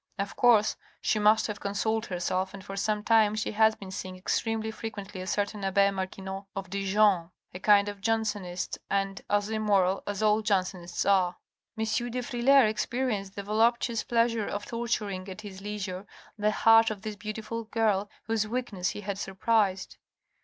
Of course she must have consoled herself and for some time she has been seeing extremely frequently a certain abbe Marquinot of Dijon, a kind of Jansenist, and as immoral as all Jansenists are." M. de Frilair experienced the voluptuous pleasure of tor turing at his leisure the heart of this beautiful girl whose weakness he had surprised.